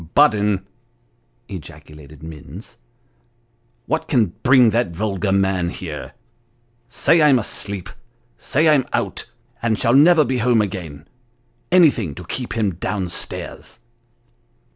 " Budden !" ejaculated Mir ns, " what can bring that vulgar man here ! say I'm asleep say I'm out, and shall never be home again anything to keep him down stairs."